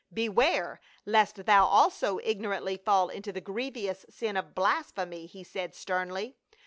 " Beware, lest thou also ignorantly fall into the grievous sin of blasphemy," he said sternly.